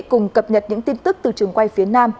cùng cập nhật những tin tức từ trường quay phía nam